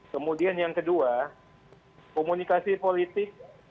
kemudian yang kedua komunikasi politik